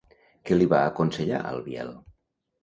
Què li va aconsellar al Biel?